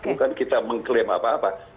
bukan kita mengklaim apa apa